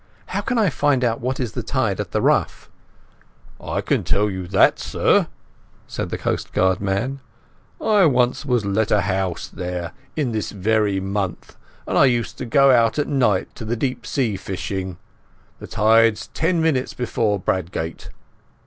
"How can I find out what is the tide at the Ruff?" "I can tell you that, sir," said the coastguard man. "I once was lent a house there in this very month, and I used to go out at night to the deep sea fishing. The tide's ten minutes before Bradgate."